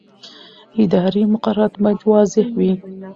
اداري مقررات باید واضح وي.